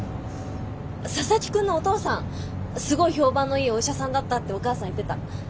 佐々木くんのお父さんすごい評判のいいお医者さんだったってお母さん言ってた。